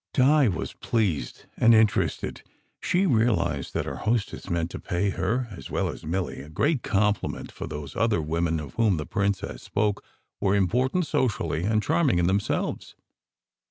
Di was pleased and interested. She realized that our hostess meant to pay her, as well as Milly, a great compli ment; for those "other women" of whom the princess spoke were important socially, and charming in themselves.